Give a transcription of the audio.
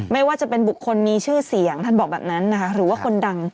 ไม่ว่าจะเป็นบุคคลมีชื่อเสียงท่านบอกแบบนั้นนะคะหรือว่าคนดัง